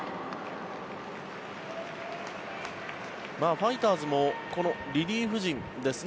ファイターズもこのリリーフ陣ですね